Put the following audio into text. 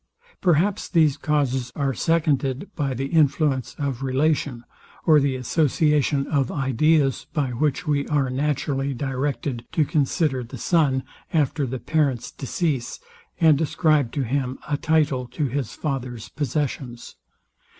Perhaps these causes are seconded by the influence of relation, or the association of ideas, by which we are naturally directed to consider the son after the parent's decease, and ascribe to him a title to his father's possessions.